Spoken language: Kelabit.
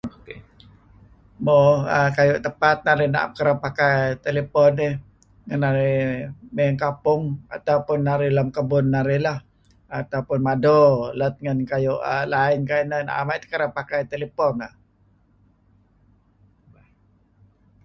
Mo kayu' tempat narih naem kereb ngen narih may ngi kampong ataupun narih ngi kebun narih lah ataupun mado lat ngi line kayu' ineh am ayu' teh kreb pakai telephone.